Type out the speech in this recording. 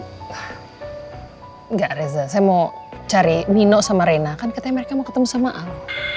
enggak reza saya mau cari nino sama reina kan katanya mereka mau ketemu sama al